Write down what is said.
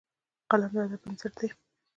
قلم د ادب بنسټ دی